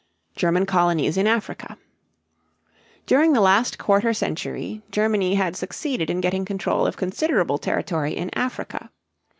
GERMAN COLONIES IN AFRICA. During the last quarter century Germany had succeeded in getting control of considerable territory in Africa.